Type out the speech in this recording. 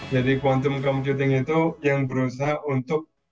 jadi quantum computing itu yang berusaha untuk